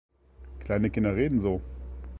Kleine Kinder reden so!